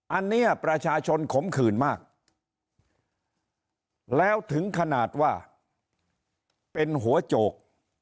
อันนี้ประชาชนขมขื่นมากแล้วถึงขนาดว่าเป็นหัวโจก